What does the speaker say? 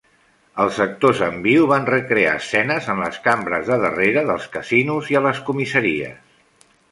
Els actors en viu van recrear escenes en les cambres de darrere dels casinos i a les comissaries.